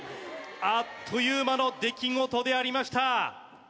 あっという間の出来事でありました